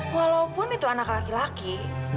walaupun itu anak laki laki